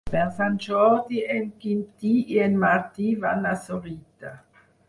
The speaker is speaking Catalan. Per Sant Jordi en Quintí i en Martí van a Sorita.